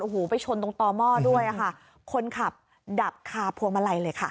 โอ้โหไปชนตรงต่อหม้อด้วยค่ะคนขับดับคาพวงมาลัยเลยค่ะ